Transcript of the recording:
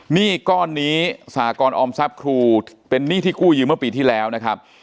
หนี้ก้อนนี้สหกรออมทรัพย์ครูเป็นหนี้ที่กู้ยืมเมื่อปีที่แล้วนะครับ